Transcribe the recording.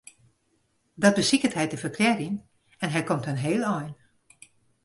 Dat besiket hy te ferklearjen en hy komt in heel ein.